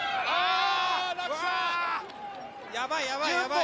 やばい、やばい。